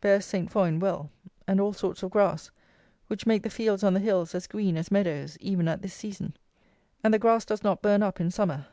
Bears Saint foin well, and all sorts of grass, which make the fields on the hills as green as meadows, even at this season; and the grass does not burn up in summer.